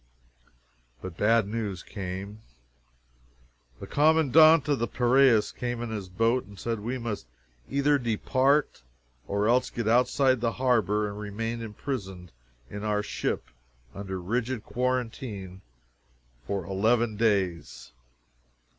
But bad news came. The commandant of the Piraeus came in his boat, and said we must either depart or else get outside the harbor and remain imprisoned in our ship, under rigid quarantine, for eleven days!